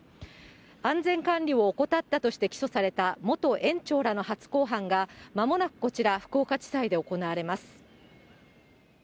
安全管理を怠ったとして起訴された元園長らの初公判がまもなくこちら、福岡地裁で行われます。